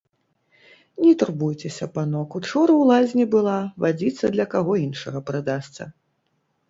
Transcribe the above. Не турбуйцеся, панок, учора ў лазні была, вадзіца для каго іншага прыдасца.